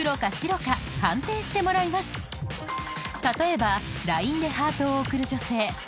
［例えば「ＬＩＮＥでハートを送る女性」］